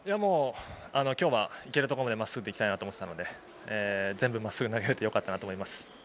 今日はいけるところまでまっすぐでいきたいなと思っていたので全部まっすぐに投げれて良かったなと思います。